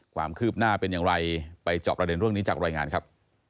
ความคืบหน้าเป็นอย่างไรไปจอบประเด็นเรื่องนี้จากรายงานครับ